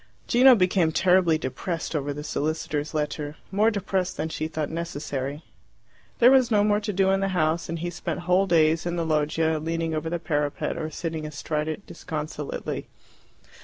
Gino became terribly depressed over the solicitors' letter, more depressed than she thought necessary. There was no more to do in the house, and he spent whole days in the loggia leaning over the parapet or sitting astride it disconsolately.